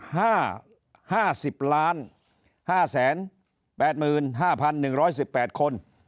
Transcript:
ห้าห้าสิบล้านห้าแสนแปดหมื่นห้าพันหนึ่งร้อยสิบแปดคน